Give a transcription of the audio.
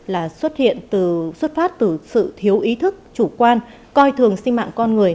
là xuất hiện từ sự thiếu ý thức chủ quan coi thường sinh mạng con người